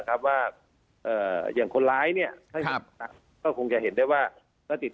ครับว่าอย่างคนร้ายเนี่ยครับผมเดี๋ยวจะให้ได้ว่าจะติด